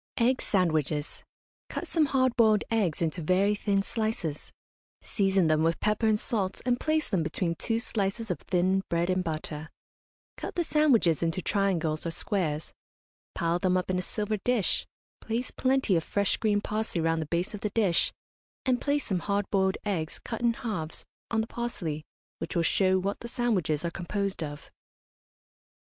EGG SANDWICHES. Cut some hard boiled eggs into very thin slices; season them with pepper and salt, and place them between two slices of thin bread and butter; cut the sandwiches into triangles or squares, pile them up in a silver dish, place plenty of fresh green parsley round the base of the dish, and place some hard boiled eggs, cut in halves, on the parsley, which will show what the sandwiches are composed of.